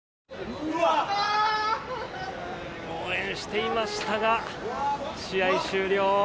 応援していましたが試合終了。